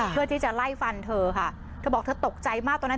เพื่อที่จะไล่ฟันเธอค่ะตะบอกเธอตกใจมาก